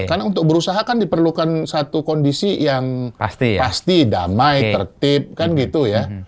karena untuk berusaha kan diperlukan satu kondisi yang pasti damai tertib kan gitu ya